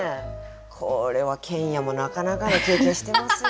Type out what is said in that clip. これは研哉もなかなかの経験してますよ